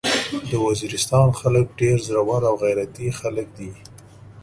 د وزيرستان خلک ډير زړور او غيرتي خلک دي.